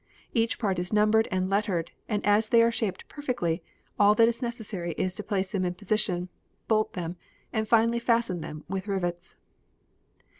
Each part is numbered and lettered and as they are shaped perfectly all that is necessary is to place them in position, bolt them, and finally fasten them with rivets."